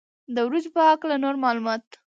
د وریجو په هکله نور معلومات.